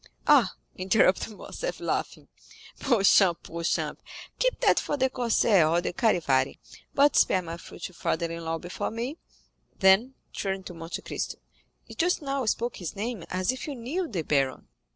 "Ah," interrupted Morcerf, laughing, "Beauchamp, Beauchamp, keep that for the Corsaire or the Charivari, but spare my future father in law before me." Then, turning to Monte Cristo, "You just now spoke his name as if you knew the baron?"